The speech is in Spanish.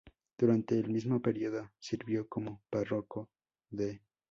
Durante el mismo período, sirvió como párroco de St.